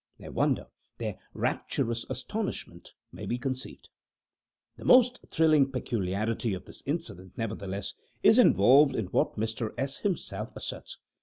Their wonder their rapturous astonishment may be conceived. The most thrilling peculiarity of this incident, nevertheless, is involved in what Mr. S. himself asserts.